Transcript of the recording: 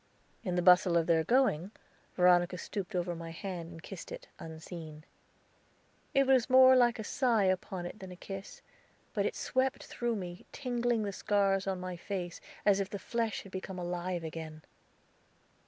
In the bustle of their going, Veronica stooped over my hand and kissed it, unseen. It was more like a sigh upon it than a kiss, but it swept through me, tingling the scars on my face, as if the flesh had become alive again.